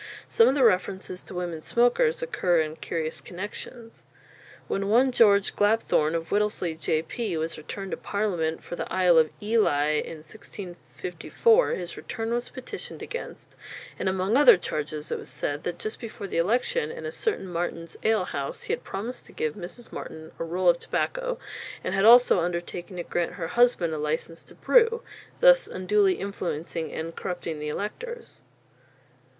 Some of the references to women smokers occur in curious connexions. When one George Glapthorne, of Whittlesey, J.P., was returned to Parliament for the Isle of Ely in 1654, his return was petitioned against, and among other charges it was said that just before the election, in a certain Martin's ale house, he had promised to give Mrs. Martin a roll of tobacco, and had also undertaken to grant her husband a licence to brew, thus unduly influencing and corrupting the electors.